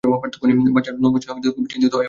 বাচ্চার নমাসের সম্য ডাক্তার খুবই চিন্তিত হয়ে পড়লেন।